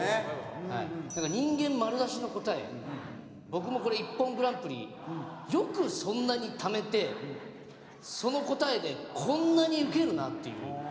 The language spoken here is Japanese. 僕もこれＩＰＰＯＮグランプリよくそんなにためてその答えでこんなにウケるなっていう。